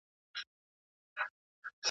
ولي قدرت د سياستپوهني د ثقل مرکز دی؟